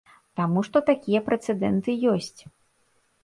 Таму што такія прэцэдэнты ёсць.